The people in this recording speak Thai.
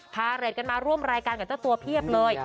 เรทกันมาร่วมรายการกับเจ้าตัวเพียบเลย